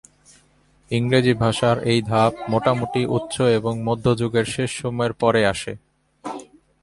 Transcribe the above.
ইংরেজি ভাষার এই ধাপ মোটামুটি উচ্চ এবং মধ্য যুগের শেষ সময়ের পরে আসে।